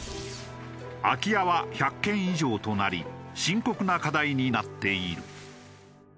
空き家は１００軒以上となり深刻な課題になっている。